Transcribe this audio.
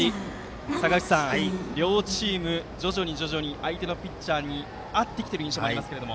坂口さん、両チーム徐々に相手のピッチャーに合ってきている印象がありますけども。